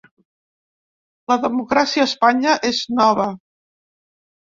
La democràcia a Espanya és nova.